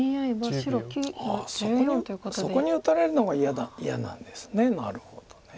ああそこに打たれるのが嫌なんですねなるほど。